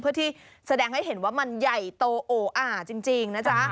เพื่อที่แสดงให้เห็นว่ามันใหญ่โตโออ่าจริงนะจ๊ะ